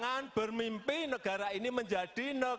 kalau pemimpinnya tidak berani pasti mundur minta ampun